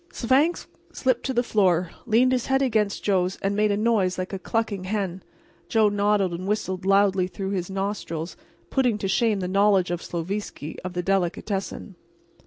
Svangvsk slipped to the floor, leaned his head against Joe's and made a noise like a clucking hen. Joe nodded and whistled loudly through his nostrils, putting to shame the knowledge of Sloviski, of the delicatessen.